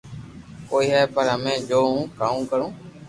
ڪوئي ھي پر ھمي جو ھون ڪو ڪاو